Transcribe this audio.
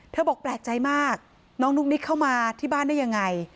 บอกแปลกใจมากน้องนุ๊กนิกเข้ามาที่บ้านได้ยังไง